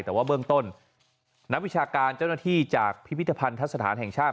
แต่ว่าเบื้องต้นนักวิชาการเจ้าหน้าที่จากพิพิธภัณฑสถานแห่งชาติ